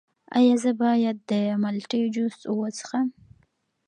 ایا زه باید د مالټې جوس وڅښم؟